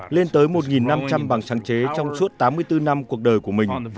lên tới một năm trăm linh bằng sáng chế trong suốt tám mươi bốn năm cuộc đời của mình